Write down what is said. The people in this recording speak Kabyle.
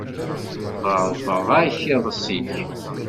Sxeṛbeɣ-ak iḍes-ik.